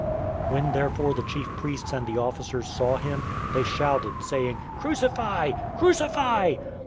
019:006 When therefore the chief priests and the officers saw him, they shouted, saying, "Crucify! Crucify!"